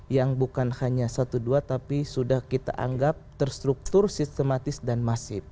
yang bukan hanya satu dua tapi sudah kita anggap terstruktur sistematis dan masif